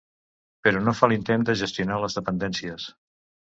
Però no fa l'intent de gestionar les dependències.